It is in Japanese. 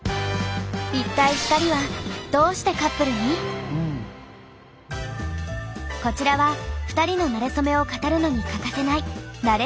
一体２人はこちらは２人のなれそめを語るのに欠かせないなれ